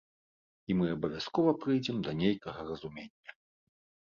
І мы абавязкова прыйдзем да нейкага разумення.